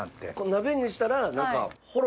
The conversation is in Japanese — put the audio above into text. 鍋にしたら何か。